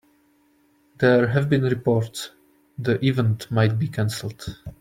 There have been reports the event might be canceled.